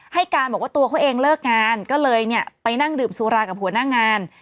ให้การบอกว่าตัวเขาเองเลิกงานก็เลยเนี่ยไปนั่งดื่มสุรากับหัวหน้างาน